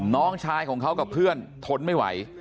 น้องชายของเขากับเพื่อนทนไม่ไหว